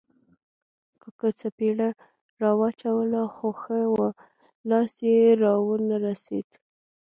کاکا څپېړه را واچوله خو ښه وو، لاس یې را و نه رسېد.